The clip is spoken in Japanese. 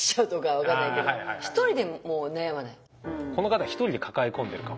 この方一人で抱え込んでるかもしれない。